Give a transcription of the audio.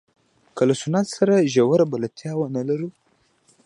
که له سنت سره ژوره بلدتیا ونه لرو.